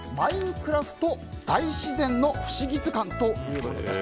クラフト大自然のふしぎ大図鑑」というものです。